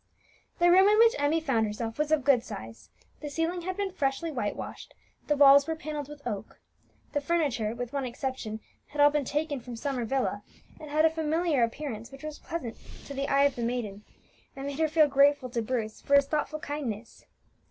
The room in which Emmie found herself was of good size; the ceiling had been freshly whitewashed; the walls were panelled with oak; the furniture, with one exception, had all been taken from Summer Villa, and had a familiar appearance which was pleasant to the eye of the maiden, and made her feel grateful to Bruce for his thoughtful kindness.